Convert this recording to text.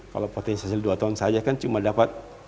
kalau potensiasi dua ton saja kan cuma dapat